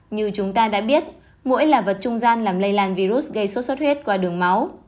như chúng ta đã biết mũi là vật trung gian làm lây lan virus gây sốt xuất huyết qua đường máu